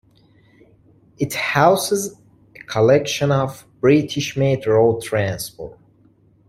It houses a collection of British-made road transport.